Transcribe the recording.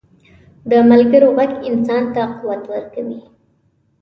د ملګرو ږغ انسان ته قوت ورکوي.